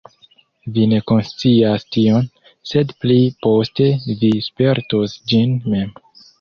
Vi ne konscias tion, sed pli poste vi spertos ĝin mem.